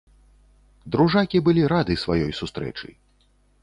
Дружакі былі рады сваёй сустрэчы.